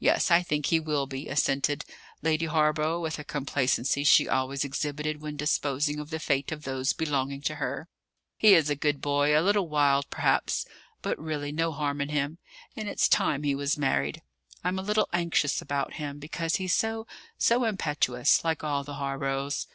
"Yes; I think he will be," assented Lady Hawborough, with a complacency she always exhibited when disposing of the fate of those belonging to her. "He is a good boy, a little wild, perhaps, but really no harm in him; and it's time he was married. I'm a little anxious about him, because he's so so impetuous, like all the Hawboroughs."